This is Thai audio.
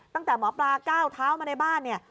ตั้งแต่หมอปลาก้าวเท้ามาในบ้านเนี่ย